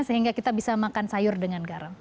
sehingga kita bisa makan sayur dengan garam